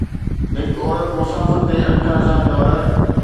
هڪ عورت مسافر تي اٺ هزار ڊالر